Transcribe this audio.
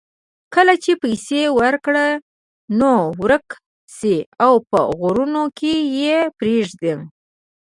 کله چې پیسې ورکړې نو ورک شي او په غرونو کې یې پرېږدي.